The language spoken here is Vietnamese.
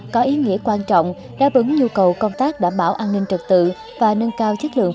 có ý nghĩa quan trọng đáp ứng nhu cầu công tác đảm bảo an ninh trật tự và nâng cao chất lượng